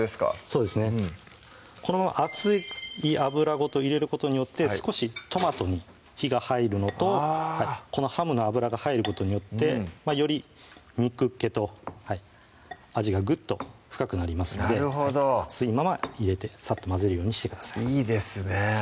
そうですねこの熱い油ごと入れることによって少しトマトに火が入るのとあぁこのハムの油が入ることによってより肉っけと味がぐっと深くなりますのでなるほど熱いまま入れてさっと混ぜるようにしてくださいいいですね